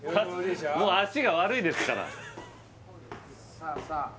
もう足が悪いですからさあさあ